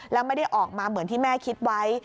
แล้วไม่ได้ออกมาเหมือนที่แม่คิดไว้